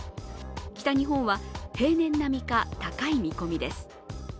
北日本は平年並みか高い見込みです。